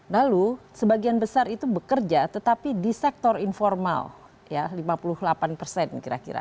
lalu sebagian besar itu bekerja tetapi di sektor informal ya lima puluh delapan persen kira kira